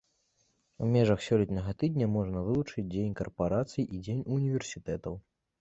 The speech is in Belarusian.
У межах сёлетняга тыдня можна вылучыць дзень карпарацый і дзень універсітэтаў.